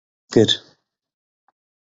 Wê behs kir.